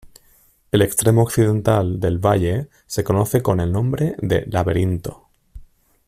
El extremo occidental del valle se conoce con el nombre de Laberinto.